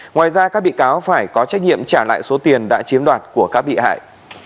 ngoài ra các bị cáo phải có trách nhiệm trả lại số tiền đã chiếm đoạt của các bị hại